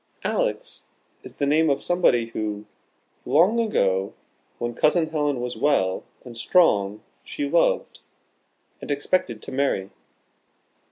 Alex is the name of somebody who, long ago, when Cousin Helen was well and strong, she loved, and expected to marry."